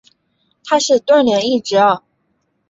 他是段廉义侄儿。